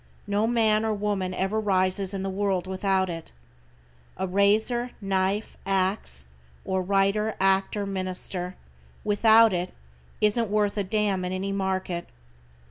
No man or woman ever rises in the world without it. A razor, knife, ax, or writer, actor, minister, without it, isn't worth a damn in any market.